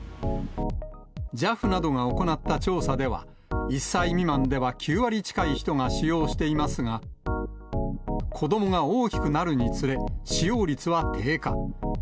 ＪＡＦなどが行った調査では、１歳未満では９割近い人が使用していますが、子どもが大きくなるにつれ、使用率は低下。